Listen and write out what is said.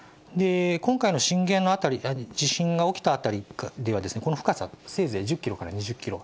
今回の震源の辺り、地震が起きた辺りでは、この深さ、せいぜい１０キロから２０キロ。